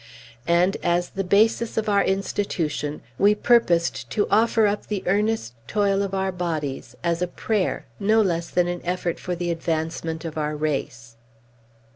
And, as the basis of our institution, we purposed to offer up the earnest toil of our bodies, as a prayer no less than an effort for the advancement of our race.